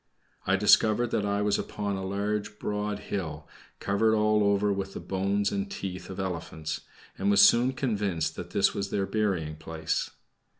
I discovered that I was upon a large broad hill, covered all over with the bones and teeth of elephants, and was soon convinced that this was their burying place.